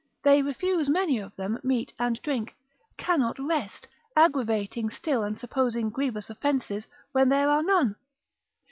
they refuse many of them meat and drink, cannot rest, aggravating still and supposing grievous offences where there are none.